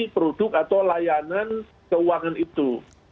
produk atau layanan keuangan itu